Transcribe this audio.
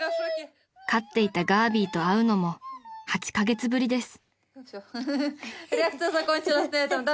［飼っていたガービーと会うのも８カ月ぶりです］